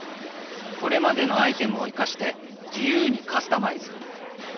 これまでのアイテムをいかして自由にカスタマイズ